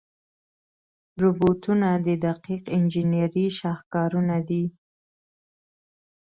روبوټونه د دقیق انجنیري شاهکارونه دي.